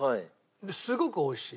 すごく美味しい。